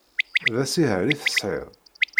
D asiher i tesεiḍ?